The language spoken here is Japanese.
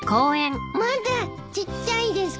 まだちっちゃいですか？